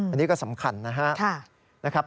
อันนี้ก็สำคัญนะครับ